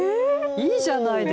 いいじゃないですか。